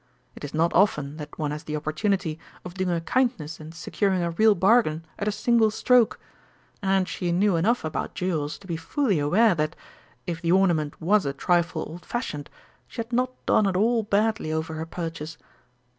It is not often that one has the opportunity of doing a kindness and securing a real bargain at a single stroke; and she knew enough about jewels to be fully aware that, if the ornament was a trifle old fashioned, she had not done at all badly over her purchase.